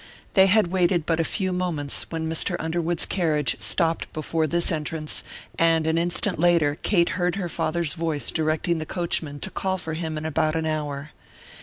They had waited but a few moments when Mr. Underwood's carriage stopped before this entrance, and an instant later Kate heard her father's voice directing the coachman to call for him in about an hour.